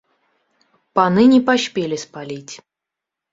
Паны не паспелі спаліць.